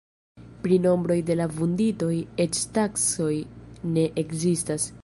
Pri nombroj de la vunditoj eĉ taksoj ne ekzistas.